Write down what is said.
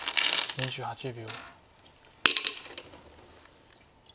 ２８秒。